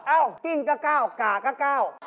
เอ้ากิ้งก็เก้าก่าก็เก้า